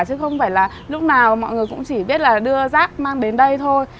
chứ không phải là lúc nào mọi người cũng chỉ biết là đưa rác mang đến đây thôi